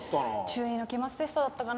中２の期末テストだったかな。